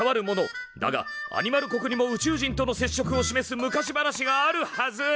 だがアニマル国にも宇宙人とのせっしょくを示す昔話があるはず！